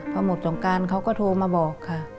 พอหมดสงการเขาก็โทรมาบอกค่ะ